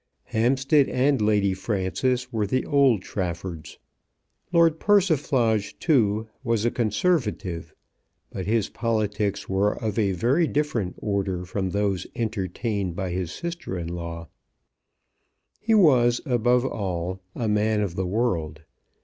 Hampstead and Lady Frances were the old Traffords. Lord Persiflage, too, was a Conservative, but his politics were of a very different order from those entertained by his sister in law. He was, above all, a man of the world.